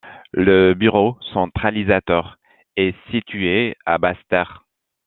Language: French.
Le bureau centralisateur est situé à Basse-Terre.